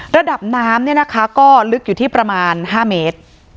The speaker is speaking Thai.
ระดับน้ำก็ลึกอยู่ที่ประมาณ๕เมตร